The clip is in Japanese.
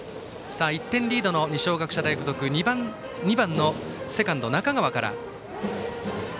１点リードの二松学舎大付属２番のセカンド、中川から。